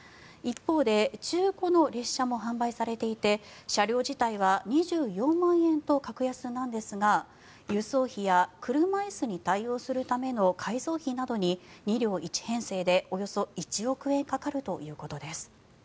一方で中古の列車も販売されていて車両自体は２４万円と格安なんですが輸送費や車椅子に対応するための改造費などに２両１編成でおよそ１億円かかるということです。